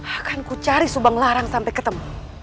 akanku cari subang lara sampai ketemu